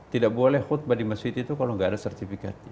tidak boleh khutbah di masjid itu kalau nggak ada sertifikatnya